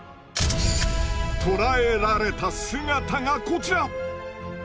捉えられた姿がこちら！